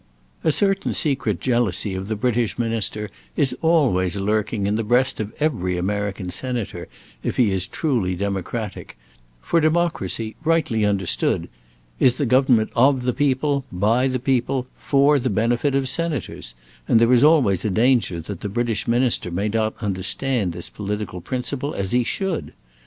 A certain secret jealousy of the British Minister is always lurking in the breast of every American Senator, if he is truly democratic; for democracy, rightly understood, is the government of the people, by the people, for the benefit of Senators, and there is always a danger that the British Minister may not understand this political principle as he should.